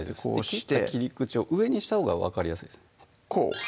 切った切り口を上にしたほうが分かりやすいですねこう？